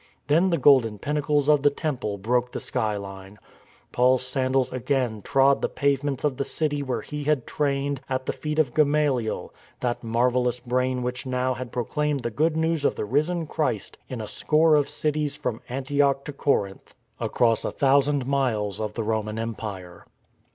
Then the golden pinnacles of the temple broke the skyline. Paul's sandals again trod the pavements of the city where he had trained, at the feet of Gamaliel, that marvellous brain which now had proclaimed the Good News of the risen Christ in a score of cities from Antioch to Corinth, across a thousand miles of the Roman Empire.